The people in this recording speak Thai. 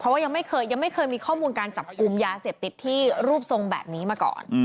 เพราะว่ายังไม่เคยยังไม่เคยมีข้อมูลการจับกลุ่มยาเสพติดที่รูปทรงแบบนี้มาก่อน